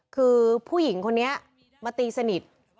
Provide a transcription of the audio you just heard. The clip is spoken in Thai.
คือผู้หญิงคนนี้มาตีสนิท